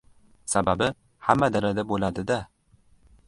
Sababi, hamma dalada bo‘ladi-da...